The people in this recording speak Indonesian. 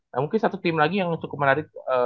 nah mungkin satu tim lagi yang cukup menarik